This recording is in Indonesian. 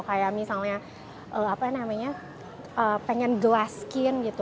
kayak misalnya pengen glass skin gitu